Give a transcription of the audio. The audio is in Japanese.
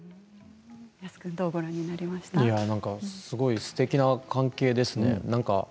すごいすてきな関係ですね。